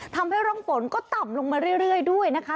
ทำให้ร่องฝนก็ต่ำลงมาเรื่อยด้วยนะคะ